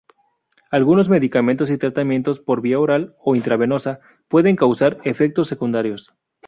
Algunos medicamentos y tratamientos por vía oral o intravenosa pueden causar efectos secundarios.